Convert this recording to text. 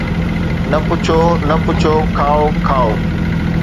نه پڇو، نه پڇو، کائو کائو